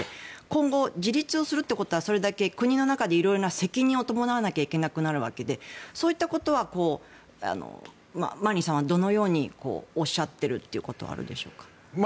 今後、自立するということはそれだけ国の中で、色々な責任を伴わなきゃいけなくなるわけでそういったことはマリンさんはどのようにおっしゃってることはあるでしょうか。